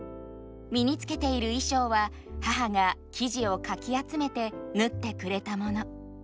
身に着けている衣装は母が生地をかき集めて縫ってくれたもの。